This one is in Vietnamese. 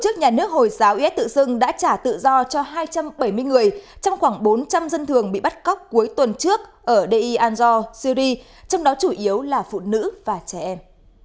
tổ chức nhà nước hồi giáo us tự dưng đã trả tự do cho hai trăm bảy mươi người trong khoảng bốn trăm linh dân thường bị bắt cóc cuối tuần trước ở deir ezzor syri trong đó chủ yếu là phụ nữ và trẻ em